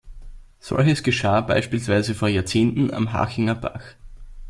Solches geschah beispielsweise vor Jahrzehnten am Hachinger Bach.